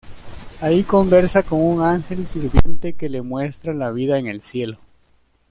Allí conversa con un ángel sirviente que le muestra la vida en el cielo.